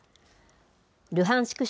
ルハンシク